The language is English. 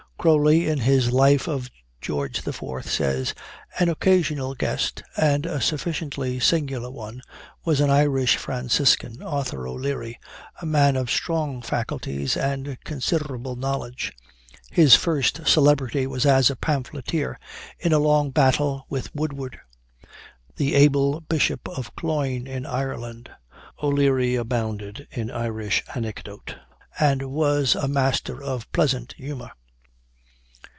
Croly, in his "Life of George the Fourth," says "An occasional guest, and a sufficiently singular one, was an Irish Franciscan, Arthur O'Leary, a man of strong faculties and considerable knowledge. His first celebrity was as a pamphleteer, in a long battle with Woodward, the able Bishop of Cloyne, in Ireland. O'Leary abounded in Irish anecdote, and was a master of pleasant humor.